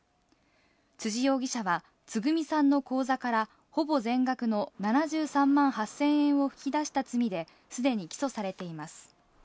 辻容疑者は、つぐみさんの口座からほぼ全額の７３万８０００円を引き出した罪ですでに起訴されています。